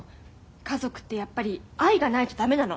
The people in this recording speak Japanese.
家族ってやっぱり愛がないと駄目なの。